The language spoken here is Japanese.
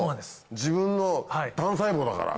自分の単細胞だから。